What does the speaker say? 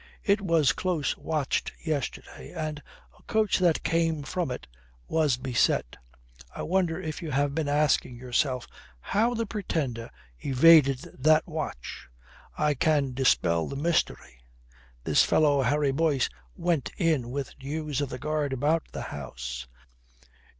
It was close watched yesterday, and a coach that came from it was beset. I wonder if you have been asking yourself how the Pretender evaded that watch. I can dispel the mystery. This fellow Harry Boyce went in with news of the guard about the house.